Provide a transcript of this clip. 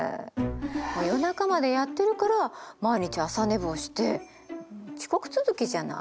夜中までやってるから毎日朝寝坊して遅刻続きじゃない。